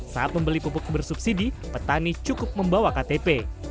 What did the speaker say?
saat membeli pupuk bersubsidi petani cukup membawa ktp